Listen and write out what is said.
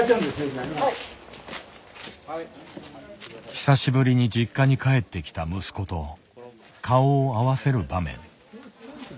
久しぶりに実家に帰ってきた息子と顔を合わせる場面。